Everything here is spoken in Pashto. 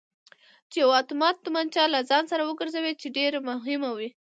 چې یوه اتومات تومانچه له ځان سر وګرځوي چې ډېره مهمه وه.